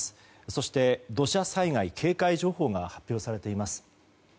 そして、土砂災害警戒情報が発表されています。